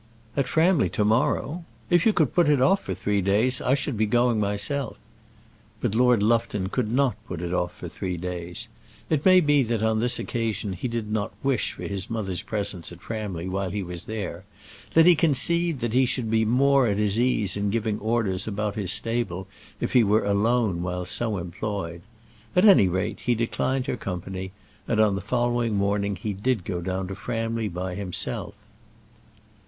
"At Framley to morrow! If you could put it off for three days I should be going myself." But Lord Lufton could not put it off for three days. It may be that on this occasion he did not wish for his mother's presence at Framley while he was there; that he conceived that he should be more at his ease in giving orders about his stable if he were alone while so employed. At any rate he declined her company, and on the following morning did go down to Framley by himself.